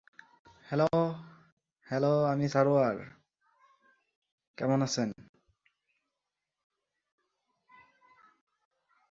যাদের পরিবারের সদস্যরা রিকশা চালায় অথবা তারা গৃহকর্মী।